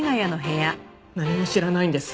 何も知らないんです